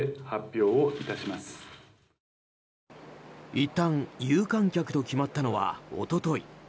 いったん有観客と決まったのは一昨日。